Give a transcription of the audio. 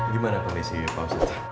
gimana kali sih pak ustadz